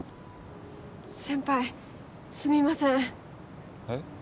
先輩すみませんえっ？